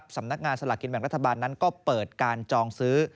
สำนักงานสลากกินแบ่งรัฐบาลนั้นก็เปิดการจองซื้อ